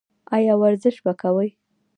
ایا ورزش به کوئ؟